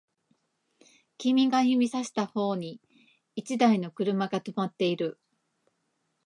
君が指差した方に一台車が止まっている